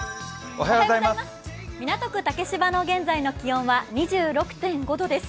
港区竹芝の現在の気温は２６．５度です。